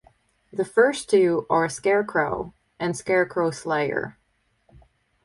The first two are "Scarecrow" and "Scarecrow Slayer".